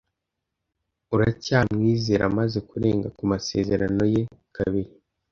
Uracyamwizera amaze kurenga ku masezerano ye kabiri?